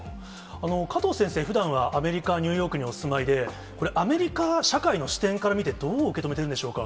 加藤先生、ふだんはアメリカ・ニューヨークにお住まいで、これ、アメリカ社会の視点から見てどう受け止めてるんでしょうか。